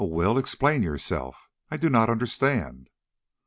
"A will? Explain yourself. I do not understand."